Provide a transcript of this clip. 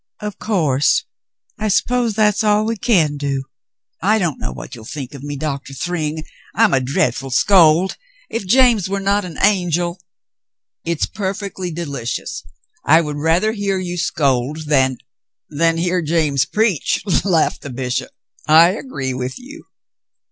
"Of course. I suppose that's all we can do. I — don't know what you'll think of me. Doctor Thryng; I'm a dreadful scold. If James were not an angel —" "It's perfectly delicious. I would rather hear you scold than —" "Than hear James preach," laughed the bishop. "I agree with you."